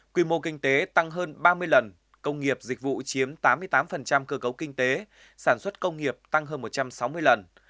quy mô kinh tế tăng hơn ba mươi lần công nghiệp dịch vụ chiếm tám mươi tám cơ cấu kinh tế sản xuất công nghiệp tăng hơn một trăm sáu mươi lần